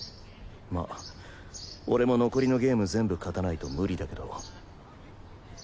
まぁ俺も残りのゲーム全部勝たないと無理だけど。